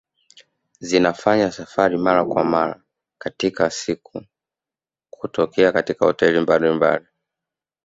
Zinafanya safari mara kwa mara katika siku kutokea katika hoteli mbalimbali